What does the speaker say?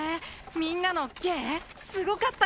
みんなの芸すごかったよ